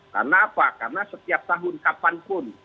karena apa karena setiap tahun kapanpun